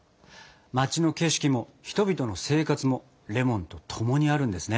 街の景色も人々の生活もレモンと共にあるんですね。